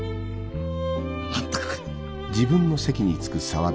まったく！